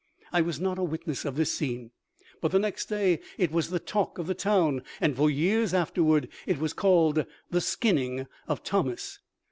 I was not a witness of this scene, but the next day it was the talk of the town, and for years afterwards it was called the "skinning" of Thomas.